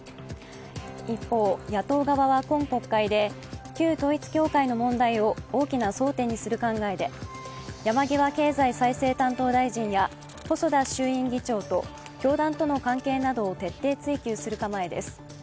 一方、野党側は今国会で旧統一教会の問題を大きな争点にする考えで山際経済再生担当大臣や細田衆院議長と教団との関係などを徹底追及する構えです。